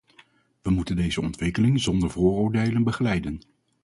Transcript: We moeten deze ontwikkeling zonder vooroordelen begeleiden.